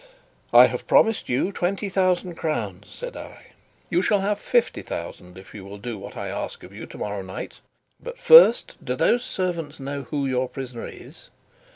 "I have promised you twenty thousand crowns," said I. "You shall have fifty thousand if you will do what I ask of you tomorrow night. But, first, do those servants know who your prisoner is?"